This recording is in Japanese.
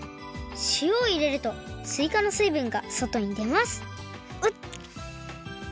しおをいれるとすいかのすいぶんがそとにでますうっ！